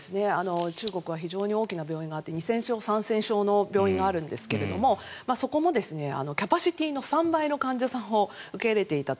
中国は非常に大きな病院があって２０００床、３０００床の病院があるんですけれどもそこもキャパシティーの３倍の患者さんを受け入れていたと。